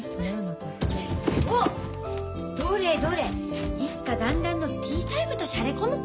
おっどれどれ一家団らんのティータイムとしゃれこむか。